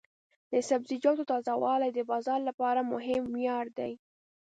د سبزیجاتو تازه والی د بازار لپاره مهم معیار دی.